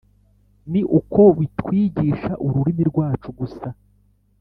ni uko bitwigisha ururimi rwacu gusa